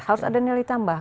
harus ada nilai tambah